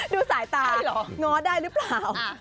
ดูสายตาเหรอง้อได้หรือเปล่า